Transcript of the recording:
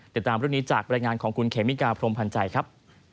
เดี๋ยวตามรูปนี้จากบริงารของคุณเขมิกาพรมพันธ์ใจครับ